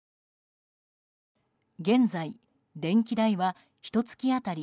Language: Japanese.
現在、電気代はひと月当たり